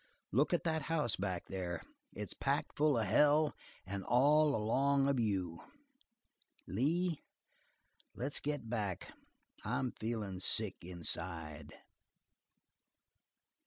Look at that house back there. It's packed full of hell, and all along of you. Lee, let's get back. I'm feelin' sick inside."